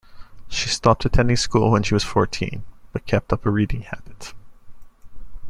She stopped attending school when she was fourteen, but kept up a reading habit.